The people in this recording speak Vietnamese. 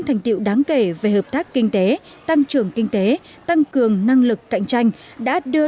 thành tiệu đáng kể về hợp tác kinh tế tăng trưởng kinh tế tăng cường năng lực cạnh tranh đã đưa